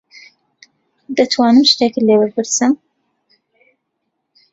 دەتوانم شتێکت لێ بپرسم؟